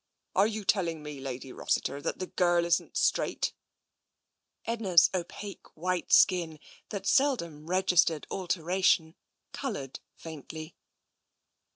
" Are you telling me, Lady Rossiter, that that girl isn't straight? " Edna's opaque white skin, that seldom registered al teration, coloured faintly.